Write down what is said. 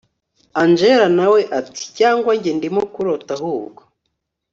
angella nawe ati cyangwa njye ndimo kurota ahubwo